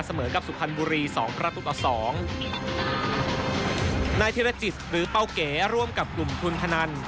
เสมอกับสุพรรณบุรีสองประตูต่อสองนายธิรจิตหรือเป้าเก๋ร่วมกับกลุ่มทุนพนัน